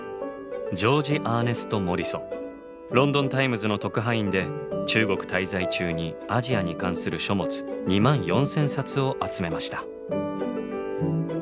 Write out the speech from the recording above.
「ロンドンタイムズ」の特派員で中国滞在中にアジアに関する書物２万４，０００冊を集めました。